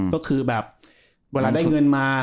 ก็คือแบบเวลาได้เงินมา